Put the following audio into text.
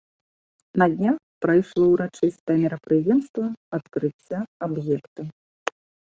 На днях прайшло ўрачыстае мерапрыемства адкрыцця аб'екта.